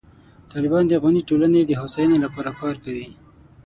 طالبان د افغاني ټولنې د هوساینې لپاره کار کوي.